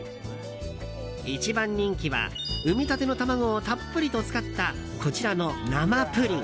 一番人気は産みたての卵をたっぷりと使ったこちらの生プリン！